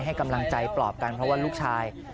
ให้กำลังใจปลอบกันเพราะว่าลูกชาย